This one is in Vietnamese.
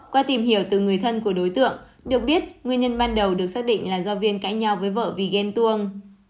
qua tìm hiểu từ người thân của đối tượng được biết nguyên nhân ban đầu được xác định là do viên cãi nhau với vợ vì ghen tuông